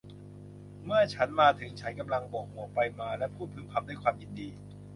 เมื่อฉันมาถึงฉันกำลังโบกหมวกไปมา และพูดพึมพำด้วยความยินดี